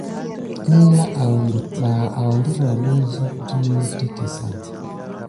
Əŋgla awɓəɗ ɓa awdəran zuk də memteke sa?